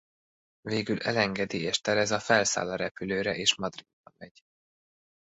Végül elengedi és Teresa felszáll a repülőre és Madridba megy.